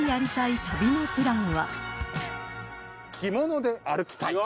着物で歩きたい。